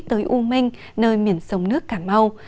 tới u minh nơi miền sông nước cà mau